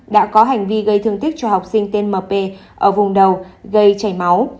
đã có hành vi gây thương tích cho học sinh tên mp ở vùng đầu gây chảy máu